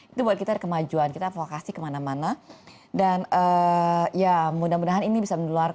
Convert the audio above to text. itu buat kita kemajuan kita advokasi kemana mana dan ya mudah mudahan ini bisa menular